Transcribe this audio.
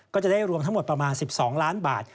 ก็จะได้รวมทั้งหมดประมาณ๑๒ล้านบาท